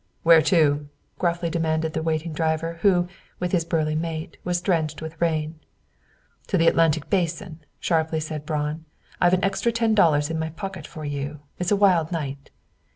"Where to?" gruffly demanded the waiting driver, who, with his burly mate, was drenched with rain. "To the Atlantic Basin," sharply said Braun. "I've an extra ten dollars in my pocket for you. It's a wild night."